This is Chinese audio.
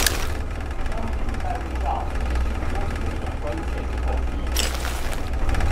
商品拜物教是许多学者关切的课题。